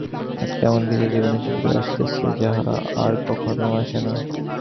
একটা এমন কিছু জীবনে শীঘ্রই আসিতেছে যাহা আর কখনও আসে না।